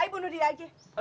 ayo bunuh dia aja